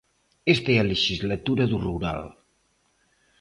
Esta é a lexislatura do rural.